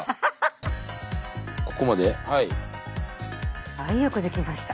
はいよくできました。